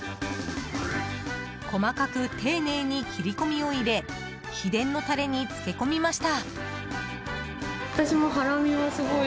細かく丁寧に切り込みを入れ秘伝のタレに漬け込みました。